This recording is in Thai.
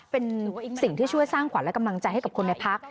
เป็นสิ่งที่ช่วยสร้างขวัญและกำลังใจให้กับคนในพัก